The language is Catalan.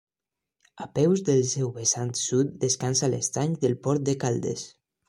A peus del seu vessant sud descansa l'Estany del Port de Caldes.